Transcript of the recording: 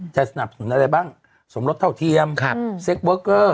สนับสนุนอะไรบ้างสมรสเท่าเทียมเซ็กเวิร์กเกอร์